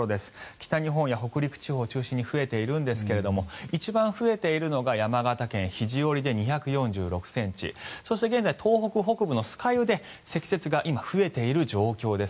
北日本や北陸地方を中心に増えているんですが一番増えているのが山形県肘折で２４６ｃｍそして、現在東北北部の酸ケ湯で積雪が今増えている状況です。